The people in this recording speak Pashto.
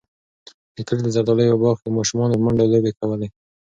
د کلي د زردالیو په باغ کې ماشومانو په منډو لوبې کولې.